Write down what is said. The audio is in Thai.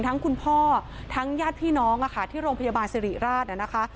ทั้งคุณพ่อทั้งญาติพี่น้องอ่ะค่ะที่โรงพยาบาลสิริราชน่ะนะคะ